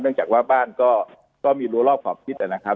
เนื่องจากว่าบ้านก็ก็มีรัวรอบขอบคิดแหละนะครับ